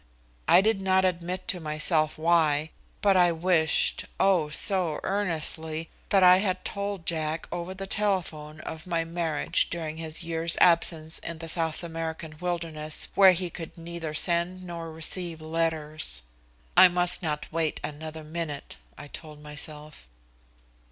I did not admit to myself why, but I wished, oh! so earnestly, that I had told Jack over the telephone of my marriage during his year's absence in the South American wilderness, where he could neither send nor receive letters. I must not wait another minute, I told myself.